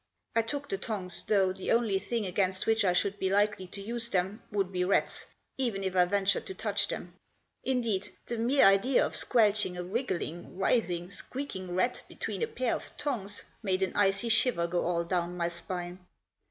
I took the tongs, though the only thing against which I should be likely to use them would be rats, even if I ventured to touch them. Indeed, the mere idea of squelching a wriggling, writhing, squeaking rat between a pair of tongs made an icy shiver go all down my spine.